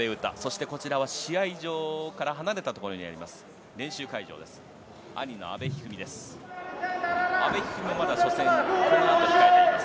そしてここは試合場から離れたところにあります